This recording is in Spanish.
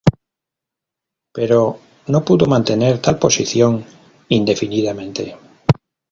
Pero no pudo mantener tal posición indefinidamente.